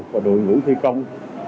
và đội ngũ thi công